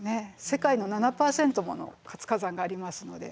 世界の７％もの活火山がありますので。